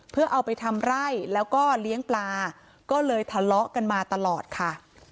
เพื่อเอาไปทำไร่แล้วก็เลี้ยงปลาก็เลยทะเลาะกันมาตลอดค่ะ